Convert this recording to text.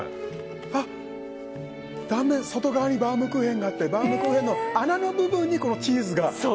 あっ断面の外側にバウムクーヘンがあってバウムクーヘンの穴の部分にチーズが。